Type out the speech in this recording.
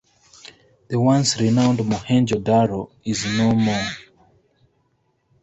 The once renowned Mohenjo Daro is no more.